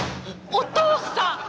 お義父さん！